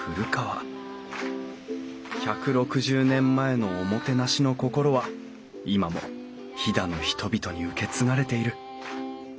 １６０年前のおもてなしの心は今も飛騨の人々に受け継がれている。